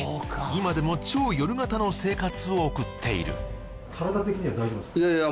今でも超夜型の生活を送っているいやいや